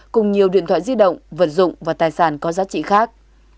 cùng nhiều điện thoại di động vật dụng và tài sản có giá trị khác